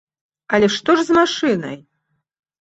Але што ж з машынай?